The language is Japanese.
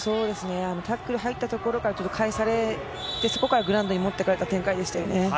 タックルが入ったところから返されて、そこからグラウンドに持って行かれた展開でしたね。